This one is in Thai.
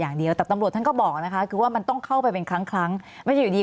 อย่างเดียวจะบอกนะคะว่ามันต้องเข้าไปเป็นครั้งมันอยู่ดี